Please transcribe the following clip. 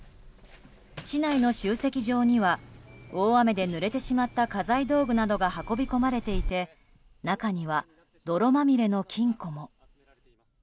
市内の集積場には、大雨でぬれてしまった家財道具などが運び込まれていて中には泥まみれの金庫も。